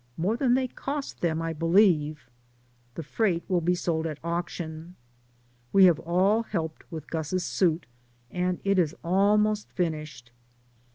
More than they cost them, DAYS ON THE ROAD. 57 I believe. The freight will be sold at auction. We have all helped with Gus's suit and it is almost finished.